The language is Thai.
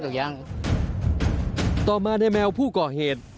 เป็นอย่างไรบ้างตอนนั้นเราก่อเหตุ